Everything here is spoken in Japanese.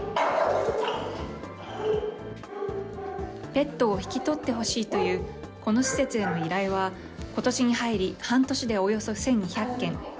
ペットを引き取ってほしいというこの施設への依頼は、ことしに入り、半年でおよそ１２００件。